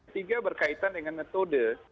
tiga berkaitan dengan metode